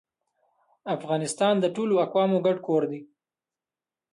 افغانستان د ټولو اقوامو ګډ کور دی